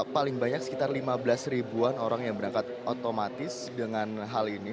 paling banyak sekitar lima belas ribuan orang yang berangkat otomatis dengan hal ini